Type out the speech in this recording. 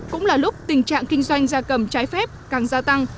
cũng là lúc tình trạng kinh doanh gia cầm trái phép càng gia tăng